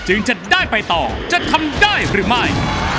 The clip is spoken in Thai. จะได้ไปต่อจะทำได้หรือไม่